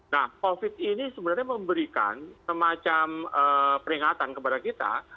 nah covid ini sebenarnya memberikan semacam peringatan kepada kita